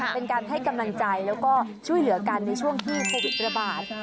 เป็นการให้กำลังใจแล้วก็ช่วยเหลือกันในช่วงที่โควิดระบาด